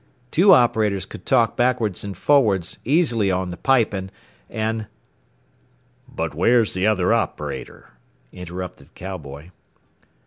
Two operators could talk backwards and forwards easily on the piping. And " "But whar's the other operator?" interrupted the cowboy.